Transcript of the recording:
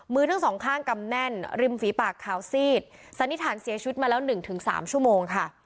มือทั้งสองข้างกำแน่นริมฝีปากขาวซีดสันนิษฐานเสียชีวิตมาแล้วหนึ่งถึงสามชั่วโมงค่ะ